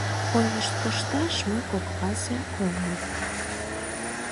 — Ойлышт кошташ мый коклазе омыл.